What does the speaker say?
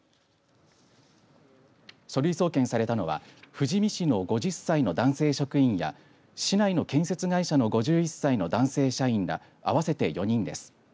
書類送検されたのは富士見市の５０歳の男性職員や市内の建設会社の５０歳の男性社員ら合わせて４人です。